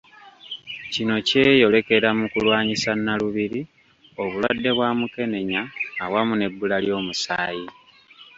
Kino kyeyolekera mu kulwanyisa Nnalubiri, obulwadde bwa Mukenenya awamu n’ebbula ly’omusaayi.